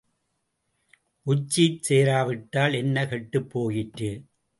உச்சியிற் சேரா விட்டால் என்ன கெட்டுப்போயிற்று.